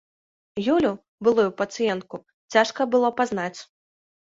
Юлю, былую пацыентку, цяжка было пазнаць.